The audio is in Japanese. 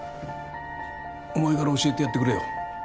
お前から教えてやってくれよ